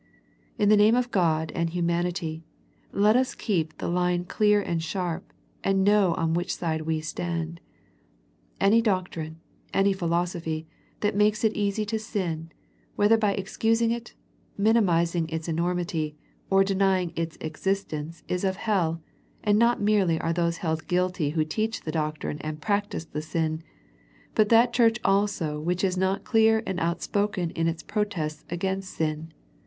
In the name of God and humanity, let us keep the line clear and sharp, and know on which side we stand. Any doctrine, any philosophy, that makes it easy to sin, whether by excusing it, minimizing its enormity, or de nying its existence is of hell, and not merely are those held guilty who teach the doctrine and practise the sin, but that church also which is not clear and outspoken in its protests against sin.